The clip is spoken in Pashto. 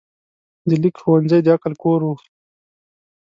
د لیک ښوونځی د عقل کور و.